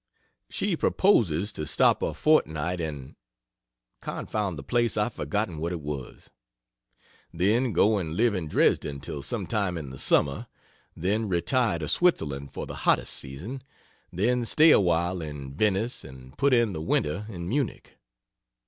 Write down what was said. She proposes to stop a fortnight in (confound the place, I've forgotten what it was,) then go and live in Dresden till sometime in the summer; then retire to Switzerland for the hottest season, then stay a while in Venice and put in the winter in Munich.